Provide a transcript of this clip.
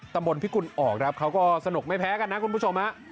ตำบลพิกุลออกครับเขาก็สนุกไม่แพ้กันนะคุณผู้ชมฮะ